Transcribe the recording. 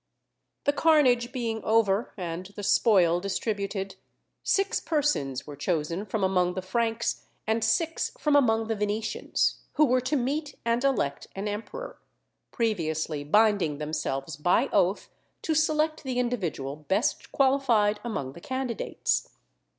The carnage being over, and the spoil distributed, six persons were chosen from among the Franks and six from among the Venetians, who were to meet and elect an emperor, previously binding themselves by oath to select the individual best qualified among the candidates.